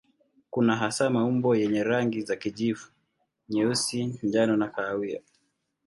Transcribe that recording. Kuna hasa maumbo yenye rangi za kijivu, nyeusi, njano na kahawia.